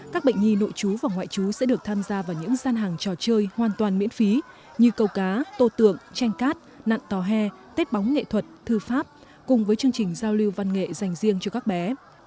các bệnh nhi nội chú và ngoại chú sẽ được tham gia vào những gian hàng trò chơi hoàn toàn miễn phí như câu cá tô tượng tranh cát nạn tòa hè tết bóng nghệ thuật thư pháp cùng với chương trình giao lưu văn nghệ dành riêng cho các bé